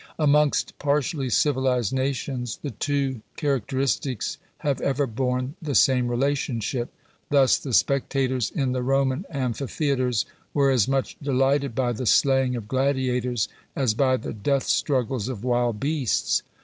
AmongBt partially civilized nations the two cha racteristics have ever borne the same relationship. Thus the spectators in the Roman amphitheatres were as much delighted by the slaying of gladiators as by the death struggles of wild beasts.